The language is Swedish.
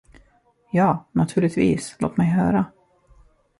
Ja, naturligtvis, låt mig höra.